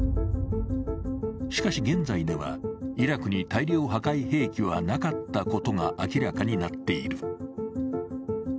しかし現在では、イラクに大量破壊兵器はなかったことが明らかになっている。